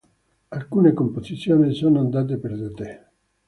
Alcune composizioni sono andate perdute.